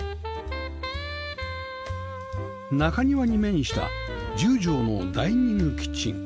中庭に面した１０畳のダイニングキッチン